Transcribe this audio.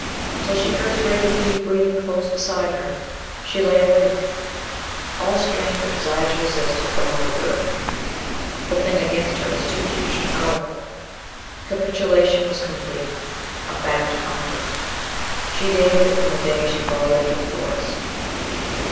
Until she heard his regular deep breathing close beside her, she lay awake. All strength or desire to resist had gone for good. The thing against her was too huge and powerful. Capitulation was complete, a fact accomplished. She dated it from the day she followed him to the Forest.